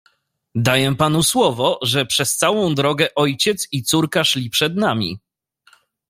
"Daję panu słowo, że przez całą drogę ojciec i córka szli przed nami."